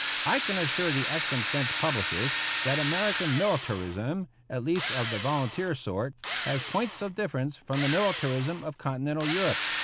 I can assure the excellent French publicist that Amer ican " militarism," at least of the volunteer sort, has points of difference from the militarism of Continental Europe.